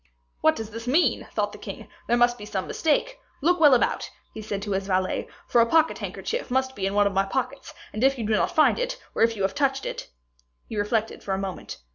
"What does this mean?" thought the king; "there must be some mistake. Look well about," said he to the valet, "for a pocket handkerchief must be in one of my pockets; and if you do not find it, or if you have touched it " He reflected for a moment.